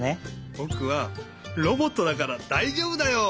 ぼくはロボットだからだいじょうぶだよ！